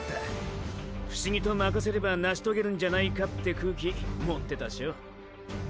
不思議とまかせれば成し遂げるんじゃないかって空気持ってたショ。